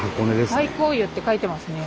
「太閤湯」って書いてますね。